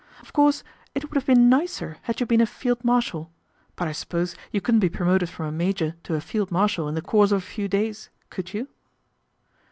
Of course it would have been nicer had you been a field marshal ; but I suppose ADVENTURE AT THE QUADRANT 37 you couldn't be promoted from a major to a field marshal in the course of a few days, could you?"